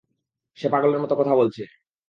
সে পাগলের মতো কথা বলছে।